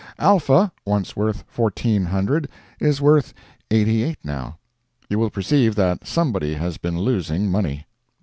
Alpha, once worth fourteen hundred, is worth eighty eight now. You will perceive that somebody has been losing money.